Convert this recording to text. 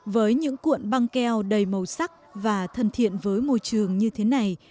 với những cuộn băng keo đầy màu sắc và thân thiện với môi trường như thế này